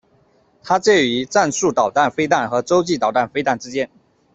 它介于战术弹道飞弹和洲际弹道飞弹之间。